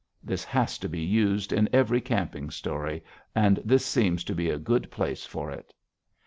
(This has to be used in every camping story, and this seems to be a good place for it.)